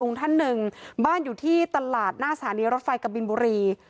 ท่านหนึ่งบ้านอยู่ที่ตลาดหน้าสถานีรถไฟกะบินบุรี